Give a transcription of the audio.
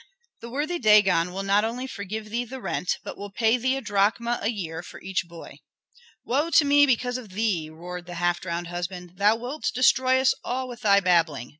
The worthy Dagon will not only forgive thee the rent, but will pay thee a drachma a year for each boy.'" "Woe to me because of thee!" roared the half drowned husband; "thou wilt destroy us all with thy babbling.